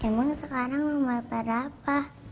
emang sekarang nomor berapa